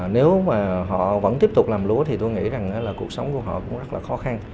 nếu họ vẫn tiếp tục làm lúa thì tôi nghĩ cuộc sống của họ cũng rất khó khăn